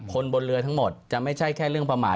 คนบนเรือทั้งหมดจะไม่ใช่แค่เรื่องประมาท